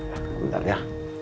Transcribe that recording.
ya sebentar ya